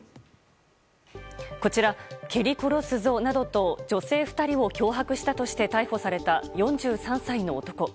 こちら、蹴り殺すぞなどと女性２人を脅迫したとして逮捕された４３歳の男。